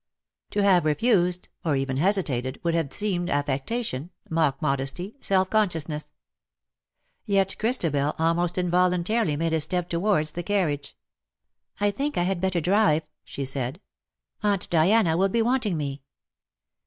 To have refused, or even hesitated, would have seemed affectation, mock modesty, self consciousness. Yet Christabel almost involuntarily made a step towards the carriage. *^ I think I had better drive," she said ;^' Aunt Diana will be wanting me."